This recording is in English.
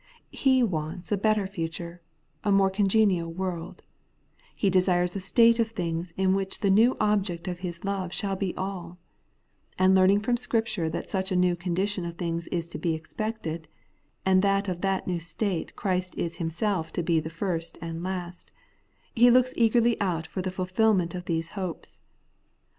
He wants a better future, and a more congenial world ; he desires a state of things in which the new object of his love shall be alL And learning from Scripture that such a new condition of things is to be expected, and that of that new state Christ is Himself to be the first and last, he looks eagerly out for the fulfilment of these hopes.